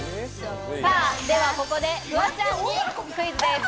ではここでフワちゃんにクイズです。